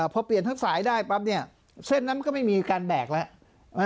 พอเปลี่ยนทั้งสายได้ปั๊บเนี่ยเส้นนั้นก็ไม่มีการแบกแล้ว